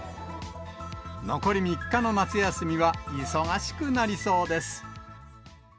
残り３日の夏休みは忙しくなりそうです。